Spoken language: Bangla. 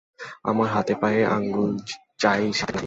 আমার হাতে পায়ে আঙ্গুল চাই সাথে একটা নাভি।